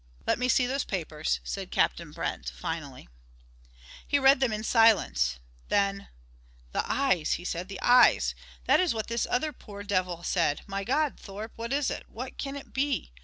"Let me see those papers," said Captain Brent, finally. He read them in silence. Then: "The eyes!" he said. "The eyes! That is what this other poor devil said. My God, Thorpe, what is it? What can it be?